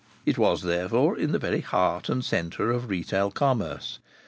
It was, therefore, in the very heart and centre of retail commerce.